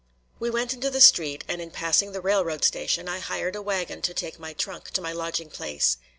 We went into the street, and in passing the railroad station I hired a wagon to take my trunk to my lodging place.